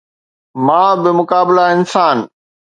ماء بمقابله انسان